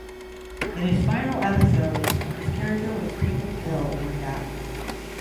In his final episodes, his character was taken ill and died.